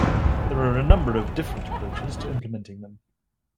There are a number of different approaches to implementing them.